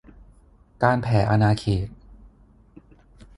การแผ่อาณาเขต